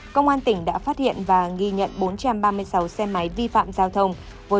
công an tỉnh đã phát hiện và ghi nhận bốn trăm ba mươi sáu xe máy vi phạm giao thông